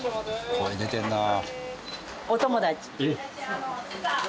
声出てるなあ。